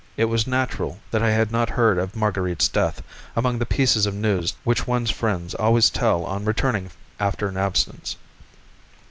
It was natural that I had not heard of Marguerite's death among the pieces of news which one's friends always tell on returning after an absence.